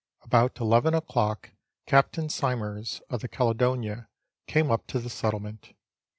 About eleven o'clock Captain Symers, of the Caledonia, came up to the settlement.